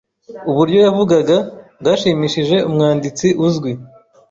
Uburyo yavugaga bwashimishije umwanditsi uzwi.